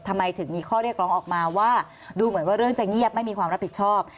ทำไมถึงมีข้อเรียกร้องออกมาว่าดูเหมือนว่าเรื่องจะเงียบไม่มีความรับผิดชอบ